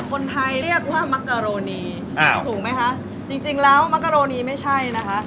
คนไทยเรียกว่ามักกะโรนีถูกไหมคะจริงจริงแล้วมักกะโรนีไม่ใช่นะคะ